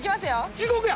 地獄や！